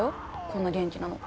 こんな元気なの。